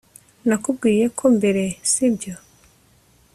nakubwiye ko mbere, sibyo